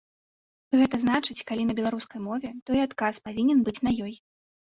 Гэта значыць, калі на беларускай мове, то і адказ павінен быць на ёй.